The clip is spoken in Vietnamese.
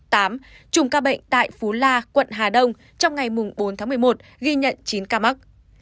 trùng ca bệnh tại phú la quận hà đông trong ngày bốn tháng một mươi một ghi nhận chín ca mắc